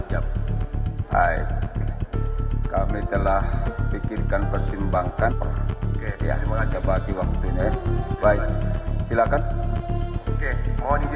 tiga puluh empat jam hai kami telah pikirkan pertimbangkan ya coba diwaktunya baik silakan oke oh ini